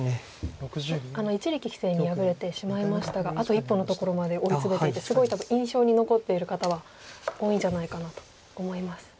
一力棋聖に敗れてしまいましたがあと一歩のところまで追い詰めていてすごい印象に残っている方は多いんじゃないかなと思います。